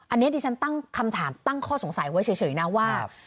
อันนี้ดิฉันตั้งคำถามตั้งข้อสงสัยไว้เฉยนะว่า